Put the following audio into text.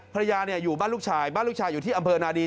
ภรรยาอยู่บ้านลูกชายบ้านลูกชายอยู่ที่อำเภอนาดี